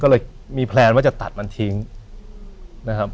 ก็เลยมีแพลนว่าจะตัดมันทิ้งนะครับ